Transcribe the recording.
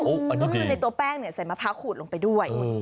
อ๋ออันนี้ดีแล้วก็ในในตัวแป้งเนี่ยใส่มะพร้าวขูดลงไปด้วยอืม